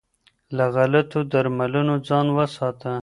له غلطو درملنو ځان وساته.